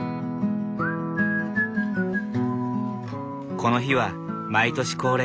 この日は毎年恒例